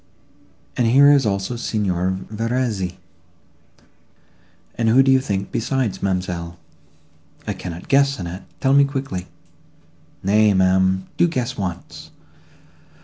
—And here is also Signor Verezzi, and who do you think besides, ma'amselle?" "I cannot guess, Annette; tell me quickly." "Nay, ma'am, do guess once."